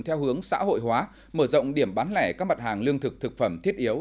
theo hướng xã hội hóa mở rộng điểm bán lẻ các mặt hàng lương thực thực phẩm thiết yếu